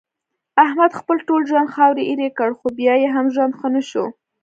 احمد خپل ټول ژوند خاورې ایرې کړ، خو بیا یې هم ژوند ښه نشو.